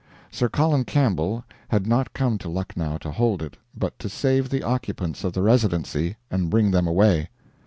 Sir Colin Campbell had not come to Lucknow to hold it, but to save the occupants of the Residency, and bring them away.